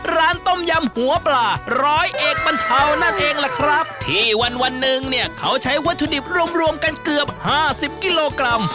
ร้านต้มยำหัวปลาร้อยเอกบรรเทานั่นเองล่ะครับที่วันวันหนึ่งเนี่ยเขาใช้วัตถุดิบรวมรวมกันเกือบห้าสิบกิโลกรัม